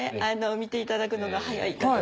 見ていただくのが早いかと。